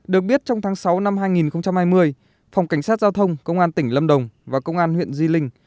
được biết trong tháng sáu năm hai nghìn hai mươi phòng cảnh sát giao thông công an tỉnh lâm đồng và công an huyện di linh